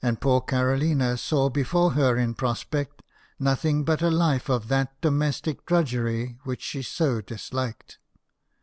poor Carolina saw before her in prospect nothing but a life of that domestic drudgery which she so disliked.